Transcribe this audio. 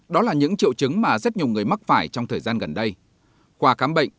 đó là những triệu chứng mà rất nhiều người mắc phải trong thời gian gần đây qua khám bệnh